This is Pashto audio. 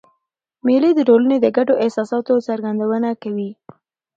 مېلې د ټولني د ګډو احساساتو څرګندونه کوي.